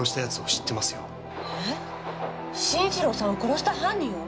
えっ慎一郎さんを殺した犯人を！？